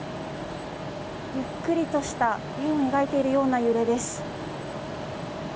ゆっくりとした円を描いているような揺れです。